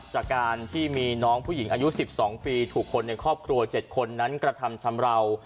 จากการที่มีน้องผู้หญิงอายุ๑๒ปีถูกคนในครอบครัว๗คนนั้นกระทำชำราว